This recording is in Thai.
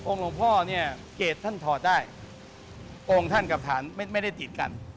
องค์หลวงพ่อเนี่ยเกรตคุณทอดได้องค์คุณกับฐานไม่ได้ติดกัน